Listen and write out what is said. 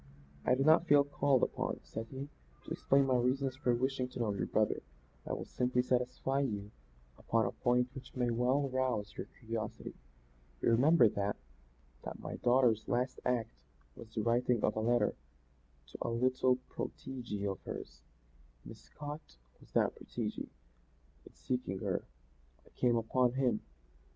"I do not feel called upon," said he, "to explain my reasons for wishing to know your brother. I will simply satisfy you upon a point which may well rouse your curiosity. You remember that that my daughter's last act was the writing of a letter to a little protegee of hers. Miss Scott was that protegee. In seeking her, I came upon him.